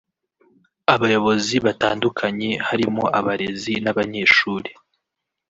abayobozi batandukanye harimo abarezi n’abanyeshuri